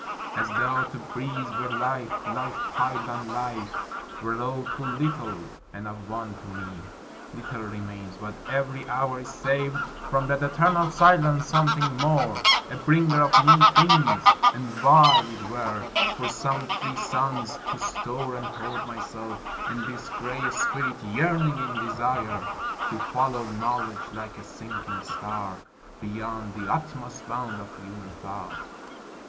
As tho' to breathe were life! Life piled on life Were all too little, and of one to me Little remains: but every hour is saved From that eternal silence, something more, A bringer of new things; and vile it were For some three suns to store and hoard myself, And this gray spirit yearning in desire To follow knowledge like a sinking star, Beyond the utmost bound of human thought.